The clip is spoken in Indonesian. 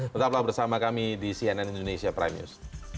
tetaplah bersama kami di cnn indonesia prime news